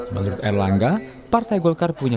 menurut erlangga partai golkar punya